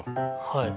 はい。